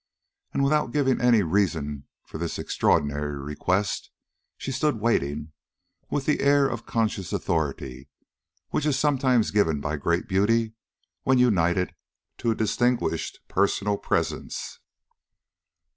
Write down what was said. And without giving any reason for this extraordinary request, she stood waiting with that air of conscious authority which is sometimes given by great beauty when united to a distinguished personal presence.